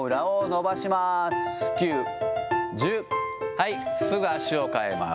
はい、すぐ足を変えます。